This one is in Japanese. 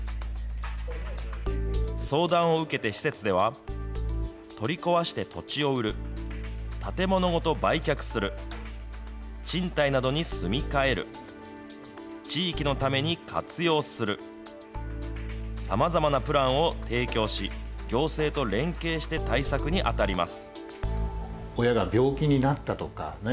相談を受けて施設では、取り壊して土地を売る、建物ごと売却する、賃貸などに住み替える、地域のために活用する、さまざまなプランを提供し、行政と連携して対策に当たります。